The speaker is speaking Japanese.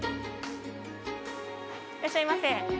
いらっしゃいませ。